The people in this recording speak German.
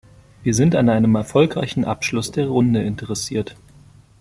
Wir sind an einem erfolgreichen Abschluss der Runde interessiert.